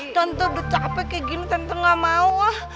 tante udah capek kayak gini tante gak mau